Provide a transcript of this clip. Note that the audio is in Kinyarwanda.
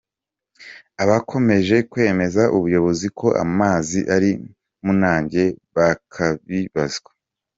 abakomeje kwemeza ubuyobozi ko amazi ari munange bakabibazwa.